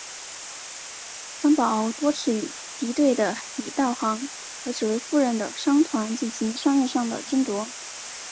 张保皋多次与敌对的李道行和紫薇夫人的商团进行商业上的争夺。